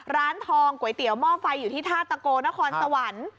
ร้านทองก๋วยเตี๋ยวหม้อไฟอยู่ที่ท่าตะโกนครสวรรค์